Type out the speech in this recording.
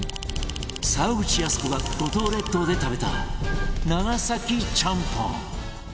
沢口靖子が五島列島で食べた長崎ちゃんぽん